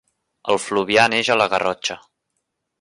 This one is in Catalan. El Fluvià neix a la Garrotxa.